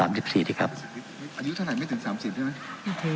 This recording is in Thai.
อายุเท่าไหร่ไม่ถึง๓๐ใช่ไหม